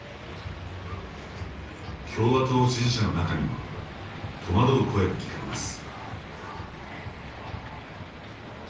共和党支持者の中にも戸惑う声が聞かれます。